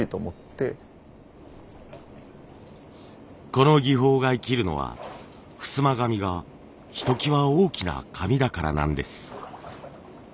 この技法が生きるのはふすま紙がひときわ大きな紙だからなんです。